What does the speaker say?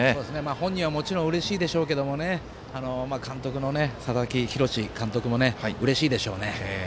本人はもちろん、うれしいでしょうけど監督の佐々木洋監督もうれしいでしょうね。